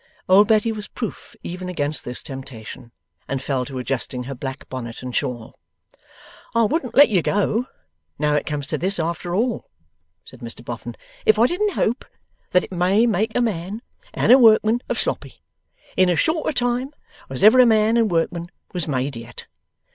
Old Betty was proof even against this temptation, and fell to adjusting her black bonnet and shawl. 'I wouldn't let you go, now it comes to this, after all,' said Mr Boffin, 'if I didn't hope that it may make a man and a workman of Sloppy, in as short a time as ever a man and workman was made yet.